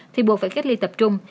thì buộc phải cách ly tập trung